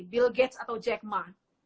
bill gates atau jack ma